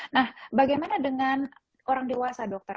nah bagaimana dengan orang dewasa dokter